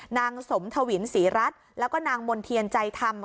นางสมถวินศรีรัตน์แล้วก็นางมลเทียนใจทำ